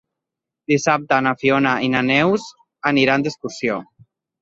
Dissabte na Fiona i na Neus aniran d'excursió.